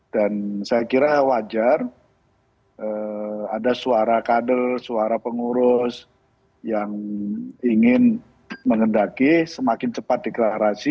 dan saya kira wajar ada suara kader suara pengurus yang ingin mengendalikan semakin cepat deklarasi